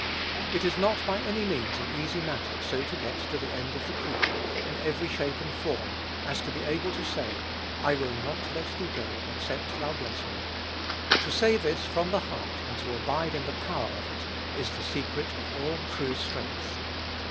It is not, by any means, an easy matter so to get to the end of the creature, in every shape and form, as to be able to say, "I will not let thee go except thou bless me." To say this from the heart, and to abide in the power of it, is the secret of all true strength.